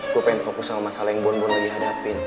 gua pengen fokus sama masalah yang bon bon lagi hadapin